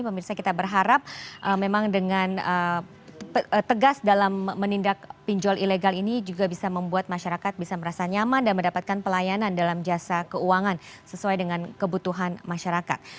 pemirsa kita berharap memang dengan tegas dalam menindak pinjol ilegal ini juga bisa membuat masyarakat bisa merasa nyaman dan mendapatkan pelayanan dalam jasa keuangan sesuai dengan kebutuhan masyarakat